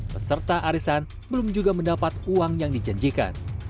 peserta arisan belum juga mendapat uang yang dijanjikan